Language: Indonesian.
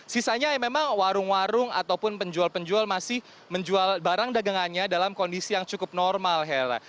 sisanya memang warung warung ataupun penjual penjual masih menjual barang dagangannya dalam kondisi yang cukup normal hera